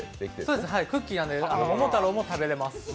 そうです、クッキーなので桃太郎も食べられます。